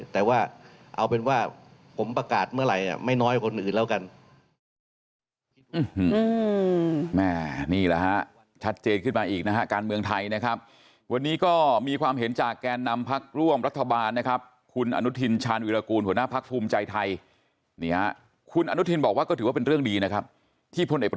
แต่ว่าเอาเป็นว่าผมประกาศเมื่อไหร่ไม่น้อยกว่าคนอื่นแล้วกัน